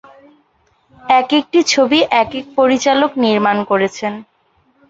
একেকটি ছবি একেক পরিচালক নির্মাণ করেছেন।